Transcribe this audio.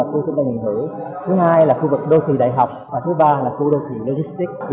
thứ hai là khu vực đô thị đại học và thứ ba là khu đô thị logistic